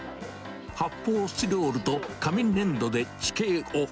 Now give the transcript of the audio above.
発泡スチロールと紙粘土で地形を。